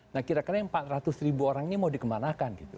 nah kira kira yang empat ratus ribu orang ini mau dikemanakan gitu